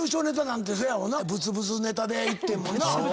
ブツブツネタでいってんもんな。